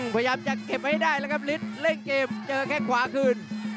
พยายามจะเก็บให้ได้ละครับลิสต์เล่นเกมเจอแค่ขวาคืน